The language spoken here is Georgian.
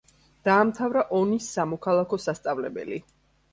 დაამთავრა ონის სამოქალაქო სასწავლებელი.